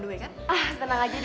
telfon gak diangkat lagi